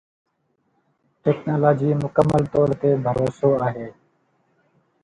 technology مڪمل طور تي ڀروسو آهي